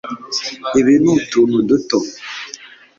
ibi ni utuntu duto